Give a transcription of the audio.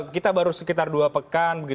kita baru sekitar dua pekan